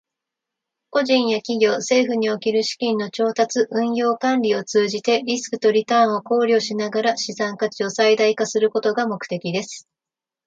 個人や企業、政府における資金の調達、運用、管理を通じて、リスクとリターンを考慮しながら資産価値を最大化することが目的です。